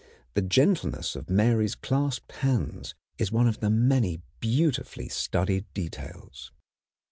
The gentleness of Mary's clasped hands is one of the many beautifully studied details.